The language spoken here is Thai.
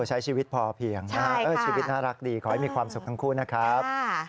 ใช้ชีวิตพอเพียงนะฮะชีวิตน่ารักดีขอให้มีความสุขทั้งคู่นะครับ